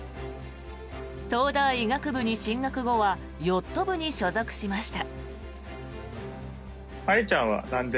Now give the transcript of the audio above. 東大医学部に進学後はヨット部に所属しました。